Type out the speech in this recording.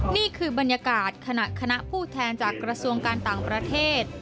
นี่คือบรรยากาศขณะคณะผู้แทนจากกระทรวงการต่างประเทศ